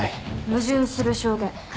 矛盾する証言。